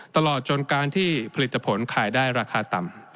ตลอดจนการที่ผลิตผลขายได้ราคาต่ำ